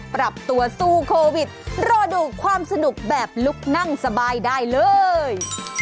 ปรับตัวสู้โควิดรอดูความสนุกแบบลุกนั่งสบายได้เลย